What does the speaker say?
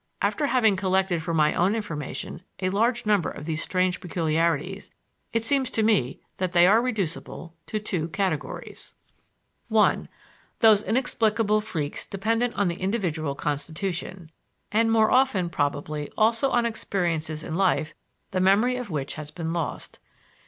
After having collected for my own information a large number of these strange peculiarities, it seems to me that they are reducible to two categories: (1) Those inexplicable freaks dependent on the individual constitution, and more often probably also on experiences in life the memory of which has been lost.